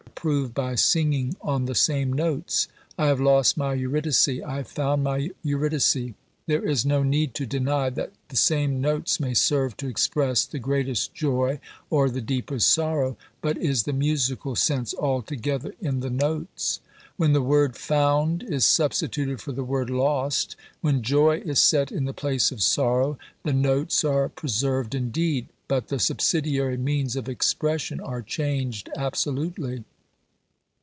prove by singing on the same notes : I have lost my Eurydice, I have found my Eurydice? There is no need to deny that the same notes may serve to express the greatest joy or the deepest sorrow, but is the musical sense altogether in the notes ? When the word found is substituted for the word lost, when joy is set in the place of sorrow, the notes are preserved indeed, but the subsidiary means of expression are changed absolutely.